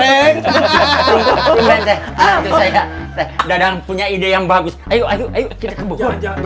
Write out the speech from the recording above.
berjuang cinta hahaha renceng hahaha ada yang punya ide yang bagus ayo kita ke bogor